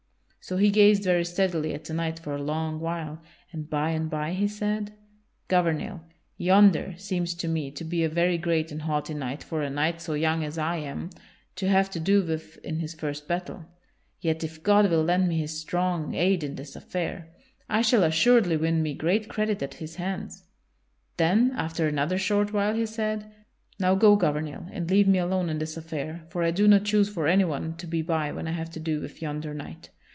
So he gazed very steadily at the knight for a long while, and by and by he said: "Gouvernail, yonder seems to me to be a very great and haughty knight for a knight so young as I am to have to do with in his first battle; yet if God will lend me His strong aid in this affair, I shall assuredly win me great credit at his hands." Then after another short while he said: "Now go, Gouvernail, and leave me alone in this affair, for I do not choose for anyone to be by when I have to do with yonder knight.